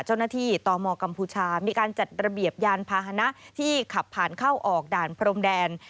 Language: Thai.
เจ้าหน้าที่ตมกัมพูชามีการจัดระเบียบยานพาหนะที่ขับผ่านเข้าออกด่านพรมแดน